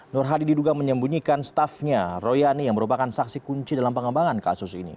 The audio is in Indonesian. nur hadi diduga menyembunyikan staffnya royani yang merupakan saksi kunci dalam pengembangan kasus ini